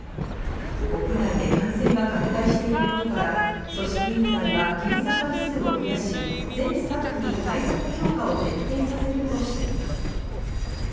国内で感染が拡大していることから、組織委員会は検査回数を増やし全スタッフに対策強化を徹底させるとしています。